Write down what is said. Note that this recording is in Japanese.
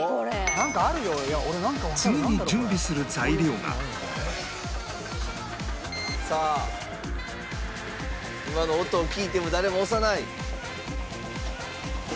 次に準備する材料がさあ今の音を聞いても誰も押さない。